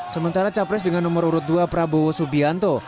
sementara capres dengan nomor urut dua prabowo subianto